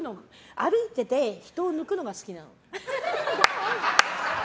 歩いてて、人を抜くのが好きなの。